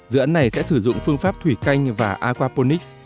dự án này sẽ sử dụng phương pháp thủy canh và aquaponics